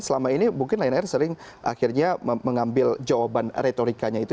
selama ini mungkin lion air sering akhirnya mengambil jawaban retorikanya itu